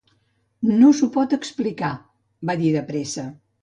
"No s'ho pot explicar" va dir de pressa.